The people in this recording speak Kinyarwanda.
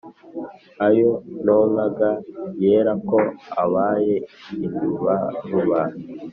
Ayo nonkaga yera Ko Abaye indubaruba